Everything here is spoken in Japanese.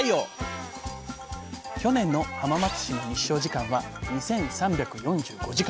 去年の浜松市の日照時間は２，３４５時間！